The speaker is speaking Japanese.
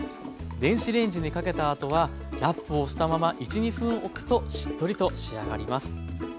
電子レンジにかけたあとはラップをしたまま１２分おくとしっとりと仕上がります。